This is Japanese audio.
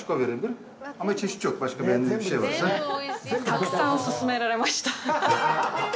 たくさん勧められました、ハハハ。